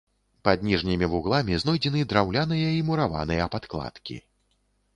Пад ніжнімі вугламі знойдзены драўляныя і мураваныя падкладкі.